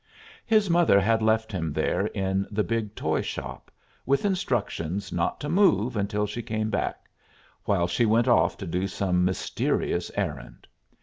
His mother had left him there in the big toy shop, with instructions not to move until she came back, while she went off to do some mysterious errand.